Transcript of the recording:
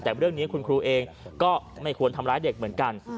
แต่เรื่องนี้คุณครูเองก็ไม่ควรทำร้ายเด็กเหมือนกัน